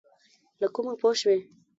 له کومه پوه شوې؟